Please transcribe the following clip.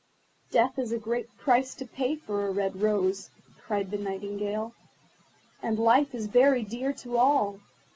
"Death is a great price to pay for a red rose," cried the Nightingale, "and Life is very dear to all.